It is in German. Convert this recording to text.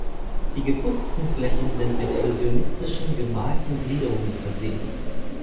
Die geputzten Flächen sind mit illusionistischen gemalten Gliederungen versehen.